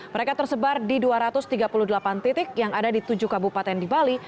mereka tersebar di dua ratus tiga puluh delapan titik yang ada di tujuh kabupaten di bali